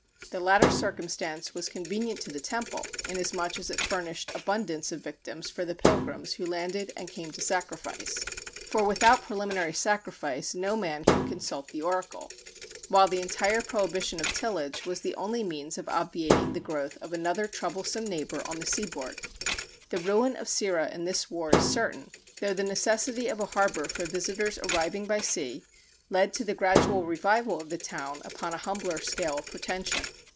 The latter circumstance was convenient to the temple, inasmuch as it furnished abundance of victims for the pilgrims who landed and came to sacrifice for without preliminary sacrifice no man could consult the oracle; while the entire prohibition of tillage was the only means of obviating the growth of another troublesome neighbor on the seaboard. The ruin of Cirrha in this war is certain: though the necessity of a harbor for visitors arriving by sea, led to the gradual revival of the town upon a humbler scale of pretension.